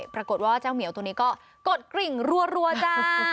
ปรากฏว่าเจ้าแมวตัวนี้ก็ปฏิเสธกริงรั่วจ๊ะ